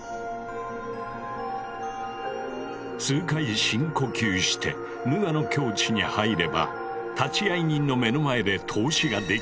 数回深呼吸して無我の境地に入れば立会人の目の前で透視ができるという。